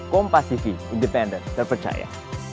kompas tv independent terpercaya